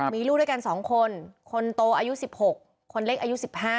มีลูกด้วยกัน๒คนคนโตอายุ๑๖คนเล็กอายุ๑๕